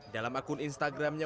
dalam akun instagramnya